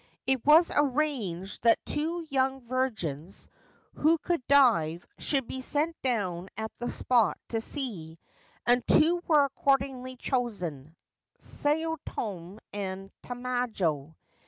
It was arranged that two young virgins who could dive should be sent down at the spot to see, and two were accordingly chosen — Sao tome and Tamajo.